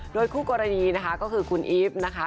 โดยคู่กรณีนะคะก็คือคุณอีฟนะคะ